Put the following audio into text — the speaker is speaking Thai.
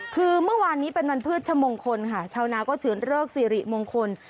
คือเมื่อวานนี้เป็นวันพืชชมงคลค่ะชาวนาก็ถือเลิกสิริมงคล